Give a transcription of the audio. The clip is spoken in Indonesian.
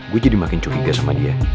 gue jadi makin curiga sama dia